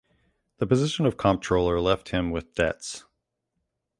The position of comptroller left him with debts.